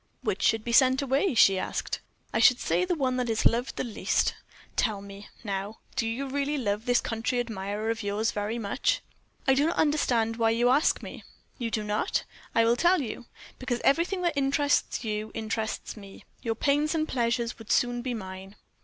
"Which should be sent away?" she asked. "I should say the one that is loved the least. Tell me, now, do you really love this country admirer of yours very much?" "I do not understand why you ask me." "Do you not? I will tell you. Because everything that interests you interests me; your pains and pleasures would soon be mine."